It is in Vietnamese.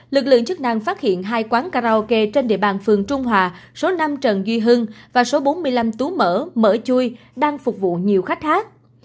lực lượng chức năng phát hiện hai quán karaoke trên địa bàn phường trung hòa số năm trần duy hưng và số bốn mươi năm tú mở mở chui đang phục vụ nhiều khách khác